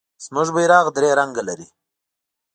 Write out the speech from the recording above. زمونږ بیرغ درې رنګه لري.